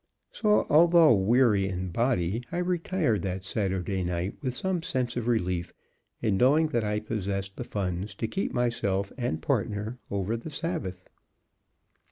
So, although weary in body, I retired that Saturday night with some sense of relief in knowing I possessed the funds to keep myself and partner over the Sabbath.